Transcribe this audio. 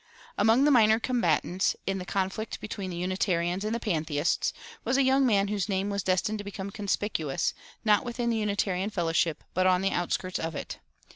Among the minor combatants in the conflict between the Unitarians and the pantheists was a young man whose name was destined to become conspicuous, not within the Unitarian fellowship, but on the outskirts of it.